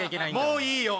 もういいよ